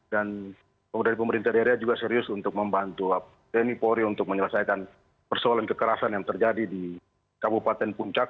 dan pemerintah daerah juga serius untuk membantu tni polri untuk menyelesaikan persoalan kekerasan yang terjadi di kabupaten puncak